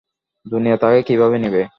দুনিয়া তাকে কীভাবে নিবে?